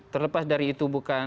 terlepas dari itu